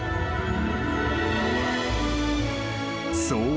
［そう。